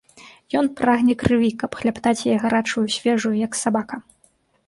Ён прагне крыві, каб хлябтаць яе гарачую, свежую, як сабака.